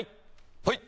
はい！